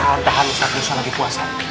padahal ustaznya susah lagi puasa